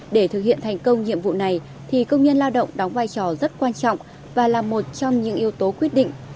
để thực hiện thành công nhiệm vụ này thì công nhân lao động đóng vai trò rất quan trọng và là một trong những yếu tố quyết định